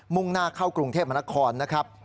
่งหน้าเข้ากรุงเทพมนครนะครับ